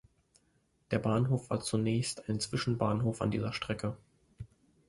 Der Bahnhof war zunächst ein Zwischenbahnhof an dieser Strecke.